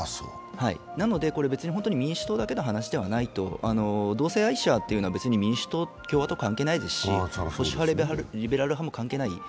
なので、これは別に民主党だけの話ではないと。同性愛者は別に民主党、共和党関係ないですし、保守派、リベラル派も関係ない。